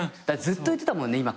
ずっと言ってたもんね